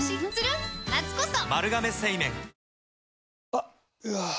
あっ、うわー。